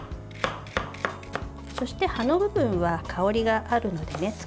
そして、葉の部分は香りがあるのでね